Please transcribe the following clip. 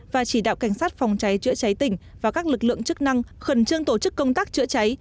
và chỉ đạo cảnh sát phòng cháy chữa cháy tỉnh và các lực lượng chức năng khẩn trương tổ chức công tác chữa cháy